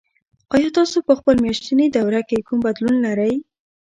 ایا تاسو په خپل میاشتني دوره کې کوم بدلون لرئ؟